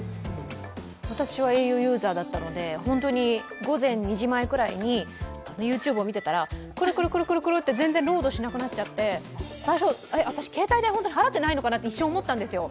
私はａｕユーザーだったので、本当に午前２時前くらいにＹｏｕＴｕｂｅを見てたら、クルクルクルって全然ロードしなくなっちゃって、私、携帯代、払っていないのかなと一瞬思ったんですよ。